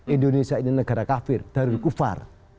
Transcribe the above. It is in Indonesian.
indonesia ini negara kafir darul kufar